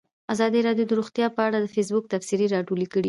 ازادي راډیو د روغتیا په اړه د فیسبوک تبصرې راټولې کړي.